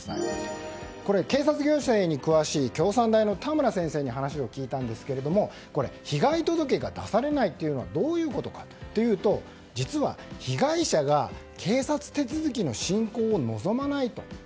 警察行政に詳しい、京産大の田村先生に話を聞いたんですが被害届が出されないというのはどういうことなのかというと実は被害者が警察手続きの進行を望まないと。